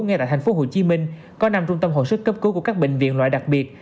ngay tại tp hcm có năm trung tâm hồi sức cấp cứu của các bệnh viện loại đặc biệt